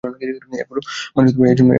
এরূপে মানুষ এ-জন্মেই মুক্ত হইতে পারে।